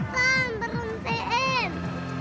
tarsan beruntung tn